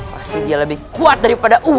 pasti dia lebih kuat daripada umur